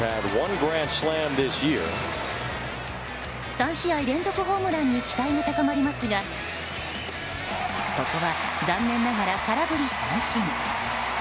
３試合連続ホームランに期待が高まりますがここは残念ながら空振り三振。